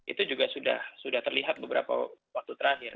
itu juga sudah terlihat beberapa waktu terakhir